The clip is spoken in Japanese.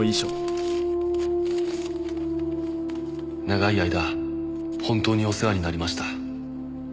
「長い間本当にお世話になりました」